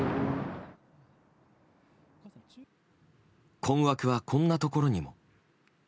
困惑は、こんなところにも。